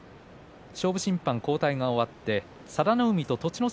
勝負審判交代が終わって佐田の海と栃ノ